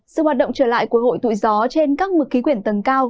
sự hoạt động trở lại của hội tụ gió trên các mực khí quyển tầng cao